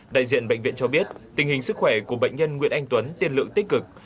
đại diện bệnh viện cho biết tình hình sức khỏe của bệnh nhân nguyễn anh tuấn tiên lượng tích cực